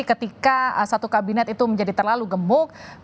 ketika satu kabinet itu menjadi terlalu gemuk